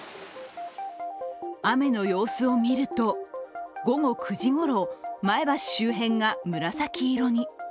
雨の様子を見ると午後９時ごろ、前橋周辺が紫色に。